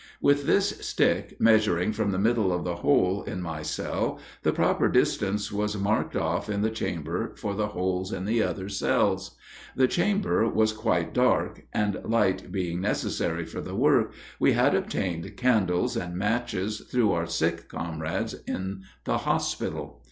With this stick, measuring from the middle of the hole in my cell, the proper distance was marked off in the chamber for the holes in the other cells. The chamber was quite dark, and light being necessary for the work, we had obtained candles and matches through our sick comrades in the hospital.